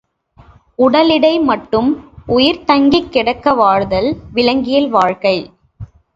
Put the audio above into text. உடலிடை மட்டும் உயிர் தங்கிக் கிடக்க வாழ்தல் விலங்கியல் வாழ்க்கை.